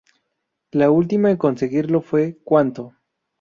La última en conseguirlo fue "Cuánto.